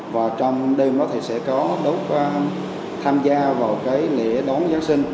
và trong đêm đó thì sẽ có tham gia vào cái lễ đón giáng sinh